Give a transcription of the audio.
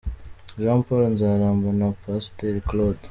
Jean Paul Nzaramba na Pasiteri Claude.